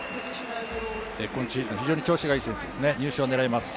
今シーズン、非常に調子がいい選手ですね、優勝を狙えます。